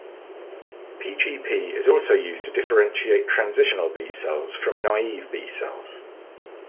P-gp is also used to differentiate transitional B-cells from naive B-cells.